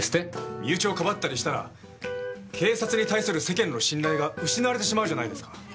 身内を庇ったりしたら警察に対する世間の信頼が失われてしまうじゃないですか。